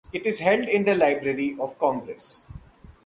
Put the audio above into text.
It is held in the Library of Congress.